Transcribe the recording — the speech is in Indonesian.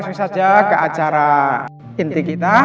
langsung saja ke acara inti kita